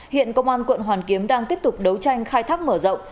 hiện công an quận hoàn kiếm đang tiếp tục đấu tranh khai thác mở rộng